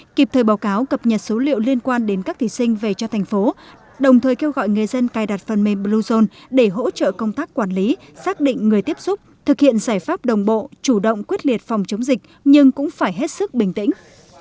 kịp thời báo cáo cập nhật số liệu liên quan đến các thí sinh về cho thành phố đồng thời kêu gọi người dân cài đặt phần mềm bluezone để hỗ trợ công tác quản lý xác định người tiếp xúc thực hiện giải pháp đồng bộ chủ động quyết liệt phòng chống dịch nhưng cũng phải hết sức bình tĩnh